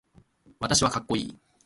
私はかっこいい